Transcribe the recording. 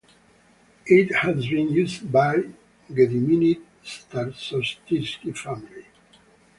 It has been used by the Gediminid Czartoryski family.